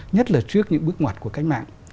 nhất là trước những bước ngoặt của cách mạng